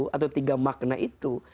atau tiga makna itu